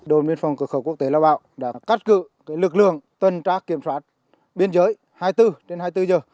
đội biên phòng cực khẩu quốc tế lao bạo đã cắt cự lực lượng tân trác kiểm soát biên giới hai mươi bốn trên hai mươi bốn giờ